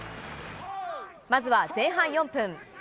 まずは前半４分。